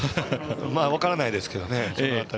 分からないですけどね。